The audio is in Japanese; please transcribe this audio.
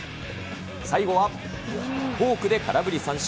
最後はフォークで空振り三振。